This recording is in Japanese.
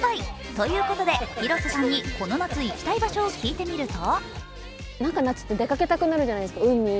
ということで、広瀬さんにこの夏行きたい場所を聞いてみると？